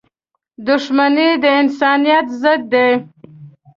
• دښمني د انسانیت ضد ده.